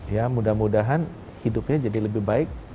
ya mudah mudahan hidupnya jadi lebih baik